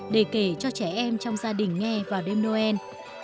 để kể cho trẻ em trong gia đình nghe vào đêm noel